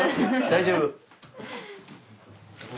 大丈夫。